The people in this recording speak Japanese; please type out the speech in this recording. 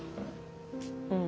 うん。